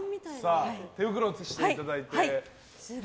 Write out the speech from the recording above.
手袋をしていただいて。